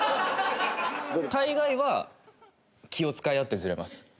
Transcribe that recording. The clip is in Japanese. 大概は気を使い合ってずれます。